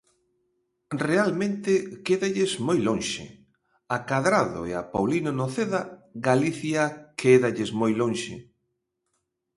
Realmente quédalles moi lonxe, a Cadrado e a Paulino Noceda Galicia quédalles moi lonxe.